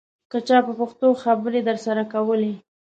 که چا په پښتو خبرې درسره کولې.